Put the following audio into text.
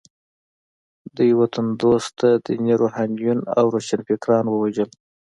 دوی وطن دوسته ديني روحانيون او روښانفکران ووژل.